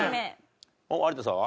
有田さんは？